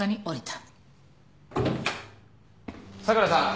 佐倉さん。